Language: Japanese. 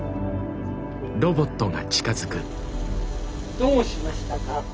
どうしましたか？